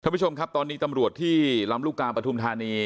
ผู้ชมครับตอนนี้ตำรวจที่ลำลูกกาปฐุมธานี